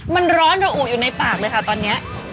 มันร้อนระอุอยู่ในปากเลยค่ะตอนนี้